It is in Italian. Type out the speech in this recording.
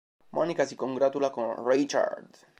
Monica si congratula con Richard.